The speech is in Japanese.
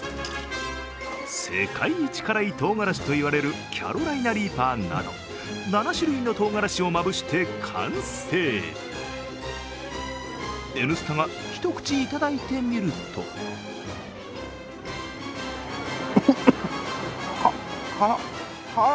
世界一辛いとうがらしと言われるキャロライナリーパーなど７種類のとうがらしをまぶして完成「Ｎスタ」が一口いただいてみるとあ辛っ辛っ！